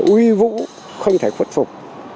uy vũ không thể khuất phục